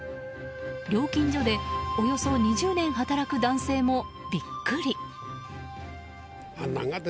料金所でおよそ２０年働く男性もビックリ。